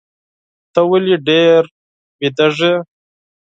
ته ولي ډېر بیدېږې؟